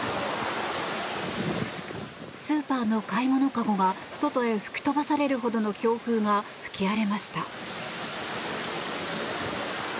スーパーの買い物籠が外へ吹き飛ばされるほどの強風が吹き荒れました。